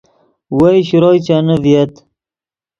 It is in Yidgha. وئے شروئے چینے ڤییت